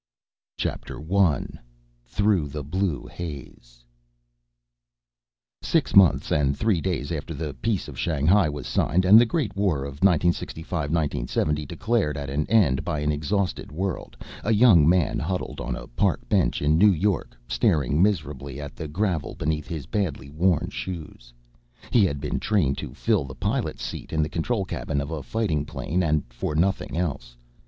_ CHAPTER ONE Through the Blue Haze Six months and three days after the Peace of Shanghai was signed and the great War of 1965 1970 declared at an end by an exhausted world, a young man huddled on a park bench in New York, staring miserably at the gravel beneath his badly worn shoes. He had been trained to fill the pilot's seat in the control cabin of a fighting plane and for nothing else.